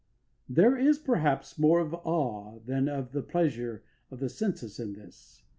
There is perhaps more of awe than of the pleasure of the senses in this.